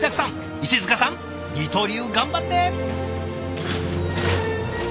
石束さん二刀流頑張って！